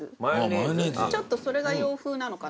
ちょっとそれが洋風なのかな。